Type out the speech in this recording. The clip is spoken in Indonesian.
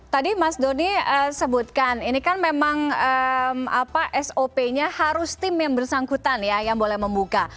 tadi mas doni sebutkan ini kan memang sop nya harus tim yang bersangkutan ya yang boleh membuka